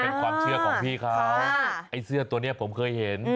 เป็นความเชื่อของพี่เขาไอ้เสื้อตัวนี้ผมเคยเห็น